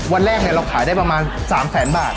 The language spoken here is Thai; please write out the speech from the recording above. วันแรกเราขายได้ประมาณ๓แสนบาท